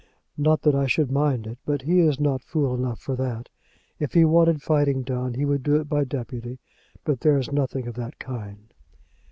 Not that I should mind it; but he is not fool enough for that. If he wanted fighting done, he would do it by deputy. But there is nothing of that kind."